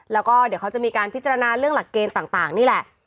แล้วก็เดี๋ยวเขาจะมีการพิจารณาเรื่องหลักเกณฑ์ต่างนี่แหละ